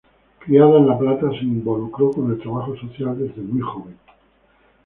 Criada en La Plata, se involucró con el trabajo social desde muy joven.